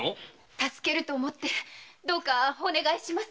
助けると思ってお願いします。